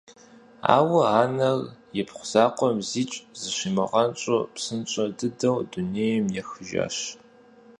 Ауэ анэр ипхъу закъуэм зикӀ зыщимыгъэнщӀу псынщӀэ дыдэу дунейм ехыжащ.